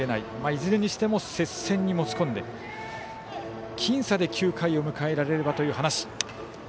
いずれにしても接戦に持ち込んで僅差で９回を迎えられればという話。